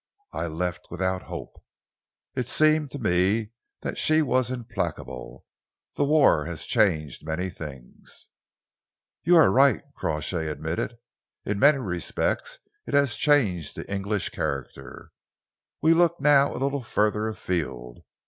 I left without hope. It seemed to me that she was implacable. The war has changed many things." "You are right," Crawshay admitted. "In many respects it has changed the English character. We look now a little further afield.